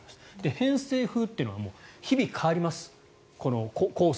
偏西風というのは日々変わりますコース